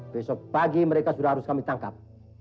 besok pagi mereka sudah harus kami tangkap